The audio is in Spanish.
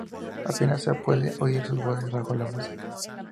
Apenas se puede oír sus voces bajo la música.